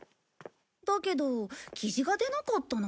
だけどキジが出なかったな。